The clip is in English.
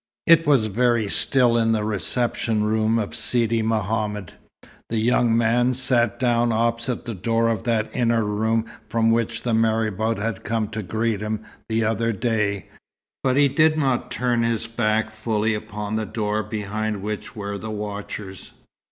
It was very still in the reception room of Sidi Mohammed. The young man sat down opposite the door of that inner room from which the marabout had come to greet him the other day, but he did not turn his back fully upon the door behind which were the watchers.